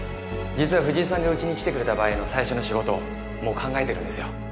実は藤井さんがうちに来てくれた場合の最初の仕事もう考えてるんですよ。